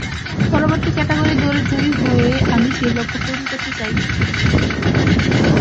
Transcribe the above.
পরবর্তী ক্যাটাগরির দৌড়ে জয়ী হয়েই আমি সেই লক্ষ্য পূরণ করতে চাই।